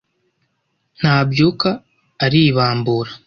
Ntabyuka: Aribambura